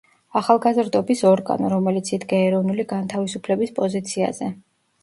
ახალგაზრდობის ორგანო, რომელიც იდგა ეროვნული განთავისუფლების პოზიციაზე.